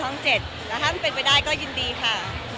กลาง๗แล้วถ้ามันเป็นไปได้ก็ยินดีค่ะ